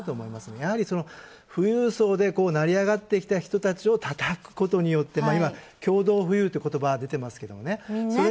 やはり、富裕層で成り上がってきた人たちをたたくことによって、共同富裕ってことばが出てますけどね。